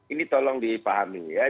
ini tolong dipahami ya